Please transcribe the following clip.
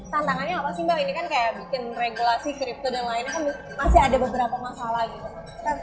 tantangannya apa sih mbak ini kan kayak bikin regulasi kripto dan lainnya kan masih ada beberapa masalah gitu